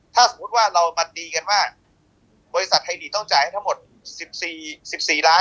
ถ้าสมมุติว่าเรามาตีกันว่าบริษัทไทยลีกต้องจ่ายให้ทั้งหมด๑๔๑๔ล้าน